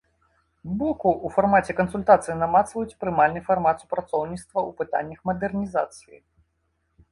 Боку ў фармаце кансультацый намацваюць прымальны фармат супрацоўніцтва ў пытаннях мадэрнізацыі.